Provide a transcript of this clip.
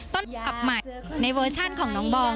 ต้นอับใหม่ในเวอร์ชั่นของน้องปอง